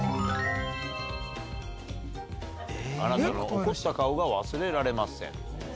「あなたの怒った顔が忘れられません」。